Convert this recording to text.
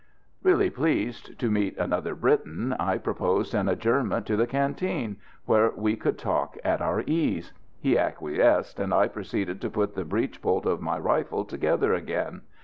Really pleased to meet another Briton, I proposed an adjournment to the canteen, where we could talk at our ease. He acquiesced, and I proceeded to put the breech bolt of my rifle together again.